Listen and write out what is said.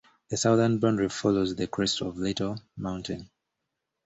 The southern boundary follows the crest of Little Mountain.